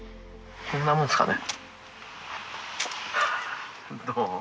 こんなもんですかね。